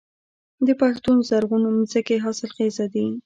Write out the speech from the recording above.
د پښتون زرغون ځمکې حاصلخیزه دي